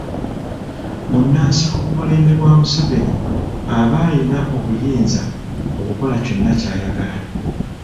Munnansiko ku mulembe gwa Museveni aba ayina obuyinza okukola kyonna ky'ayagala.